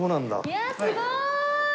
いやすごーい！